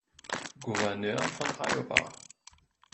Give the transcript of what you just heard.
Gouverneur von Iowa.